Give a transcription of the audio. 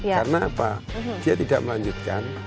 karena apa dia tidak melanjutkan